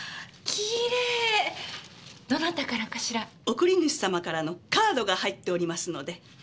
送り主様からのカードが入っておりますので。